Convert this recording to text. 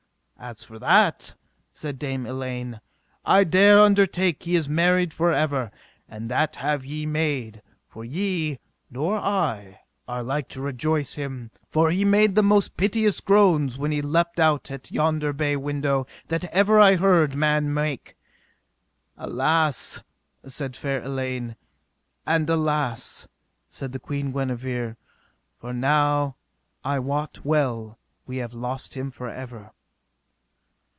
As for that, said Dame Elaine, I dare undertake he is marred for ever, and that have ye made; for ye, nor I, are like to rejoice him; for he made the most piteous groans when he leapt out at yonder bay window that ever I heard man make. Alas, said fair Elaine, and alas, said the Queen Guenever, for now I wot well we have lost him for ever.